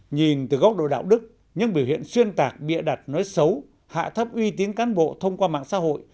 nhìn từ góc độ đạo đức những biểu hiện xuyên tạc bịa đặt nói xấu hạ thấp uy tín cán bộ thông qua mạng xã hội